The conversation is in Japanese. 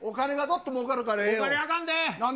あかんで。